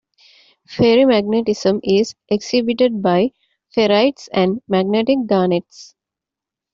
Ferrimagnetism is exhibited by ferrites and magnetic garnets.